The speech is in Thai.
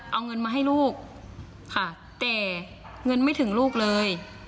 เอาเงินมาให้ลูกค่ะแต่เงินไม่ถึงลูกเลย